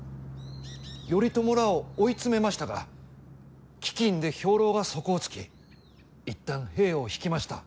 頼朝らを追い詰めましたが飢饉で兵糧が底をつき一旦兵を退きました。